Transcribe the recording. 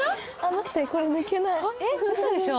待ってこれ抜けないえっ嘘でしょ